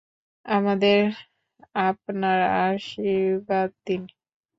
আমাদের আপনার আশীর্বাদ দিন।